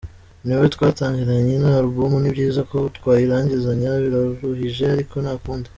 Niwe twatangiranye ino album, ni byiza ko twayirangizanya, biraruhije ariko nta kundi”.